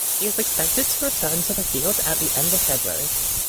He was expected to return to the field at the end of February.